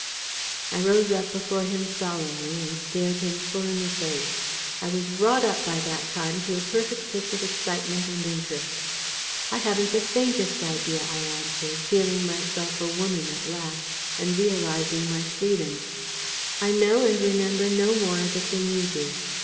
I rose up before him solemnly, and stared him full in the face. I was wrought up by that time to a perfect pitch of excitement and interest. "I haven't the faintest idea," I answered, feeling myself a woman at last, and realising my freedom; "I know and remember no more of it than you do.